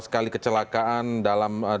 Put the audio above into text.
empat belas kali kecelakaan dalam